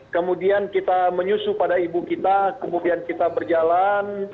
kemudian kita menyusu pada ibu kita kemudian kita berjalan